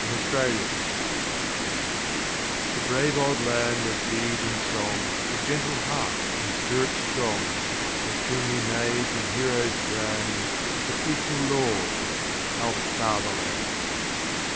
Fatherland THE BRAVE old land of deed and song, Of gentle hearts and spirits strong, Of queenly maids and heroes grand, Of equal laws,—our Fatherland!